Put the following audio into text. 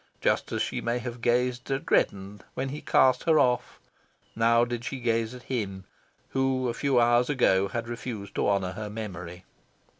Just as she may have gazed at Greddon when he cast her off, so now did she gaze at him who a few hours ago had refused to honour her memory.